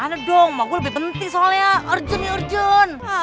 demen banget gue ngeliatnya